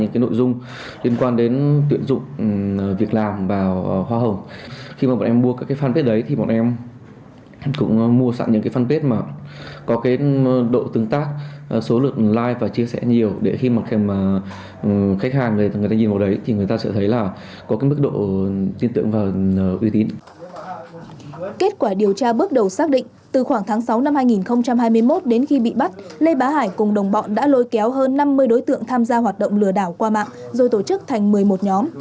kết quả điều tra bước đầu xác định từ khoảng tháng sáu năm hai nghìn hai mươi một đến khi bị bắt lê bá hải cùng đồng bọn đã lôi kéo hơn năm mươi đối tượng tham gia hoạt động lừa đảo qua mạng rồi tổ chức thành một mươi một nhóm